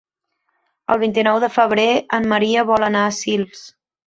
El vint-i-nou de febrer en Maria vol anar a Sils.